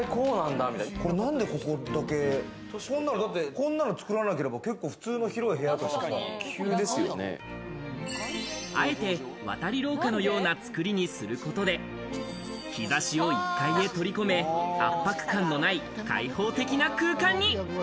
こんなの作らなければ結構普通の広い部屋として、あえて渡り廊下のような作りにすることで、日差しを１階へ取り込め、圧迫感のない開放的な空間に。